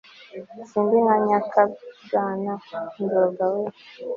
sindi nka nyakabwana nzoga we